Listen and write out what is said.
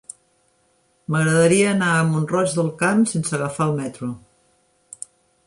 M'agradaria anar a Mont-roig del Camp sense agafar el metro.